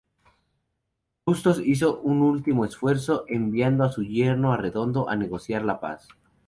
Bustos hizo un último esfuerzo, enviando a su yerno Arredondo a negociar la paz.